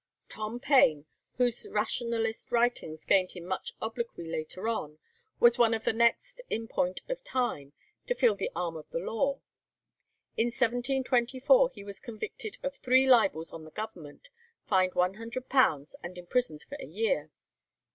Tom Paine, whose rationalist writings gained him much obloquy later on, was one of the next in point of time to feel the arm of the law. In 1724 he was convicted of three libels on the Government, fined £100, and imprisoned for a year.